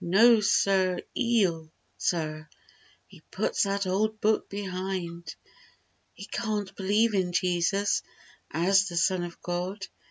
No sir eel Sir! He puts that old Book behind. He "can't" believe in Jesus As the Son of God.